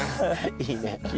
いいね。